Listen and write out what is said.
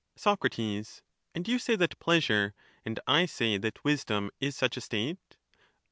Soc. And you say that pleasure, and I say that wisdom, is such a state